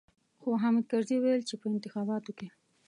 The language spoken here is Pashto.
خو حامد کرزي ويل چې په انتخاباتو کې.